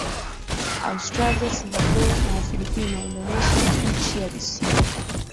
Australia Singapur na Ufilipino Indonesia ni nchi ya visiwa